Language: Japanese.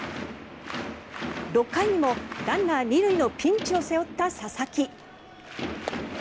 ６回にもランナー２塁のピンチを背負った佐々木。